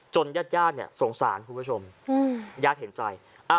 จนญาติยาดเนี่ยสงสารคุณผู้ชมยาดเห็นใจ